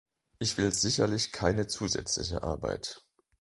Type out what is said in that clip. Ich will sicherlich keine zusätzliche Arbeit.